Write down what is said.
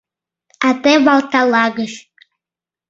— А те Валтала гыч...